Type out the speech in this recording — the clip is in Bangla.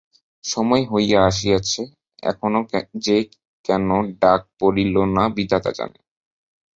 সময় হইয়া আসিয়াছে, এখনাে যে কেন ডাক পড়িল না বিধাতা জানেন।